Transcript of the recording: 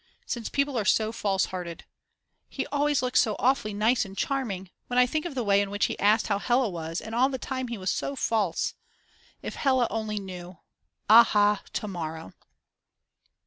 Since people are so falsehearted. He always looked so awfully nice and charming; when I think of the way in which he asked how Hella was and all the time he was so false!!! If Hella only knew. Aha, to morrow!